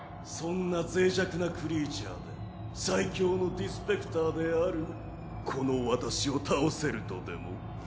そんな脆弱なクリーチャーで最強のディスペクターであるこの私を倒せるとでも？